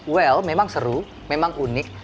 well memang seru memang unik